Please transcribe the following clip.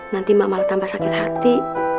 nanti mak malah tambah sakit hati